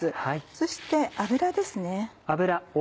そして油ですね。